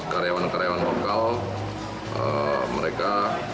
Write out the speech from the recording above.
karyawan karyawan lokal mereka